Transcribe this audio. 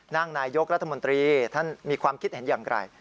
นายกรัฐมนตรีท่านมีความคิดเห็นอย่างไร